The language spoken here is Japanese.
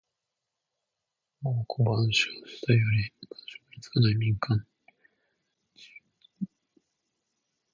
『孟子』「万章・下」より。官職に就かない民間人。在野の人。「草莽」は草むら・田舎。転じて在野・民間をいう。